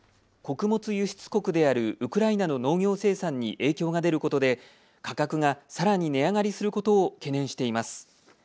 穀物輸出国であるウクライナの農業生産に影響が出ることで価格がさらに値上がりすることを懸念しています。